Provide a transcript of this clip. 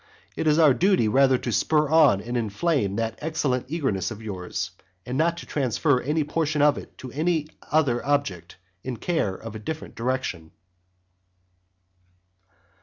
It is our duty rather to spur on and inflame that excellent eagerness of yours, and not to transfer any portion of it to another object of care in a different direction.